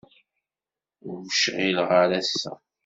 Ur cɣileɣ ara ass-a.